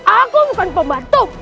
aku bukan pembantu